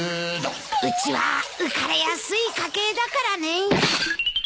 うちは浮かれやすい家系だからね。